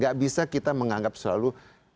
gak bisa kita menganggap selalu